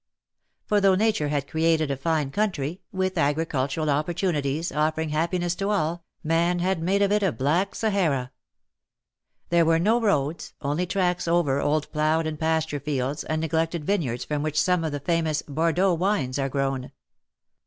For though Nature had created a fine country, with agricultural opportunities offering happiness to all, man had made of it a black Sahara. There were no roads, only tracks over old ploughed and pasture fields and neglected vineyards from which some of the famous "Bordeaux" wines are grown.